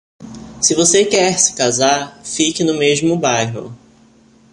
Se você quer se casar, fique no mesmo bairro.